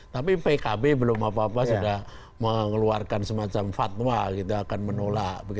tapi pkb belum apa apa sudah mengeluarkan semacam fatwa akan menolak